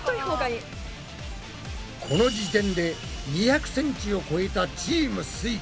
この時点で２００ｃｍを超えたチームすイ。